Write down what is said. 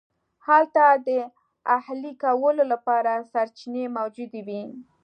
هلته د اهلي کولو لپاره سرچینې موجودې وې.